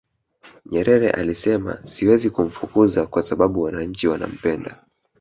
nyerere alisema siwezi kumfukuza kwa sababu wananchi wanampenda